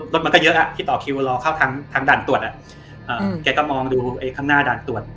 รถมันก็เยอะที่ต่อคิวรอเข้าทางด่านตรวจแกก็มองดูข้างหน้าด่านตรวจ